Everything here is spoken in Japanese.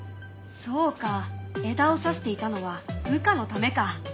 そうか枝をさしていたのは羽化のためか。